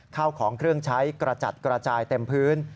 ข้าวของเครื่องใช้กระจัดกระจายเต็มพื้น